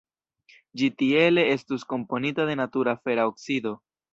Ĝi tiele estus komponita de natura fera oksido.